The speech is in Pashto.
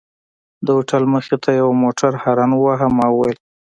د هوټل مخې ته یوه موټر هارن وواهه، ما وویل.